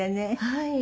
はい。